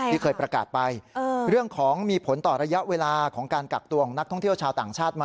ที่เคยประกาศไปเรื่องของมีผลต่อระยะเวลาของการกักตัวของนักท่องเที่ยวชาวต่างชาติมา